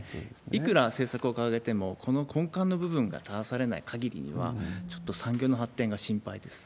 いくら政策を掲げても、この根幹の部分が正されないかぎりは、ちょっと産業の発展が心配です。